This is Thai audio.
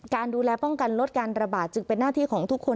การดูแลป้องกันลดการระบาดจึงเป็นหน้าที่ของทุกคน